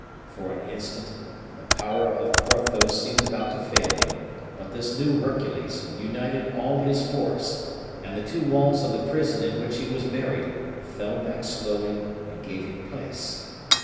For an instant the power of Porthos seemed about to fail him, but this new Hercules united all his force, and the two walls of the prison in which he was buried fell back slowly and gave him place.